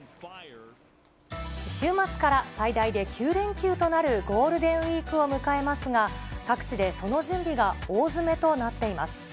週末から最大で９連休となるゴールデンウィークを迎えますが、各地でその準備が大詰めとなっています。